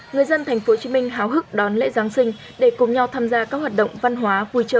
người dân tp hcm hào hức đón lễ giáng sinh để cùng nhau tham gia các hoạt động văn hóa